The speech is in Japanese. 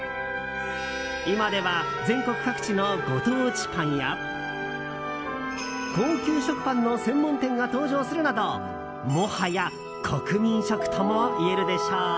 今では、全国各地のご当地パンや高級食パンの専門店が登場するなどもはや国民食ともいえるでしょう。